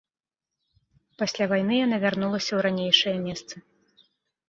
Пасля вайны яна вярнулася ў ранейшае месца.